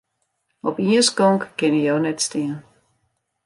Op ien skonk kinne jo net stean.